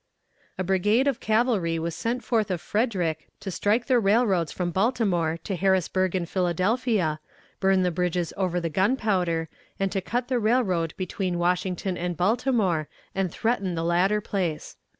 A brigade of cavalry was sent north of Frederick to strike the railroads from Baltimore to Harrisburg and Philadelphia, burn the bridges over the Gunpowder, and to cut the railroad between Washington and Baltimore, and threaten the latter place.